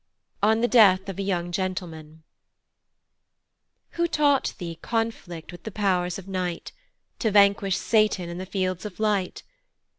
On the Death of a young Gentleman. WHO taught thee conflict with the pow'rs of night, To vanquish satan in the fields of light?